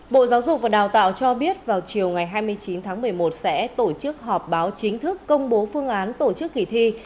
bộ giáo dục và đào tạo cho biết vào chiều ngày hai mươi chín tháng một mươi một sẽ tổ chức họp báo chính thức công bố phương án tổ chức kỳ thi